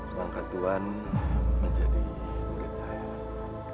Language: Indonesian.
mengangkat tuhan menjadi murid saya